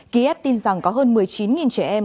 kiev tin rằng có hơn một mươi chín trẻ em